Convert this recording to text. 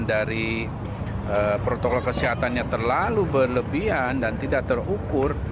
dari protokol kesehatannya terlalu berlebihan dan tidak terukur